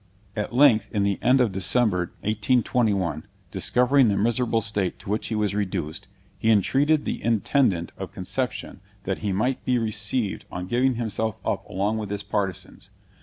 At length, in the end of December 1821, discovering the miserable state to which he was reduced, he entreated the Intendant of Conception, that he might be received on giving himself up along with his partisans.